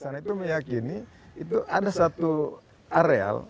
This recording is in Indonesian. di sana itu meyakini itu ada satu areal